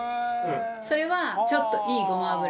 それはちょっといいごま油。